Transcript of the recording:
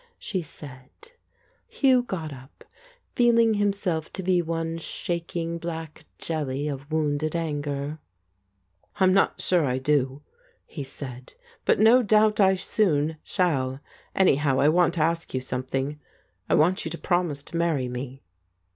she said, Hugh got up, feeling himself to be one shaking black jelly of wounded anger. "I'm not sure if I do," he said. "But no doubt I soon shall. Anyhow, I want to ask you something. I want you to promise to marry me."